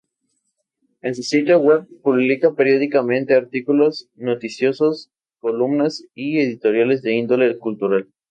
En su sitio web publica, periódicamente, artículos noticiosos, columnas y editoriales de índole cultural.